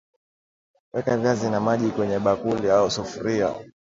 Weka viazi na maji kwenye bakuli au sufuria